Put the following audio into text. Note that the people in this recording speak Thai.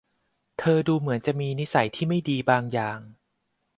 เธอดูเหมือนจะมีนิสัยที่ไม่ดีบางอย่าง